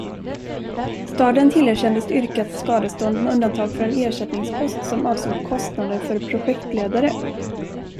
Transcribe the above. Staden tillerkändes yrkat skadestånd med undantag för en ersättningspost som avsåg kostnader för projektledare.